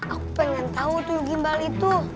aku pengen tau tuil gimbal itu